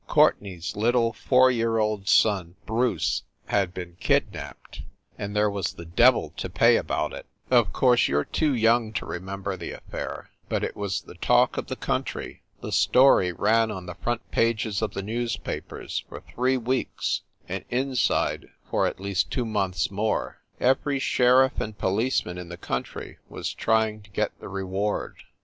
Courtenay s little four year old son Bruce had been kidnapped and there was the devil to pay about it. Of course you re too young to remember the af fair, but it was the talk of the country. The story ran on the front pages of the newspapers for three weeks, and inside for at least two months more. Every sheriff and policeman in the country was try ing to get the reward.